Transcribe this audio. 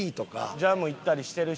ジャム行ったりしてるし。